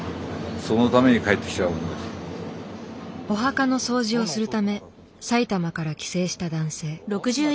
お墓の掃除をするため埼玉から帰省した男性。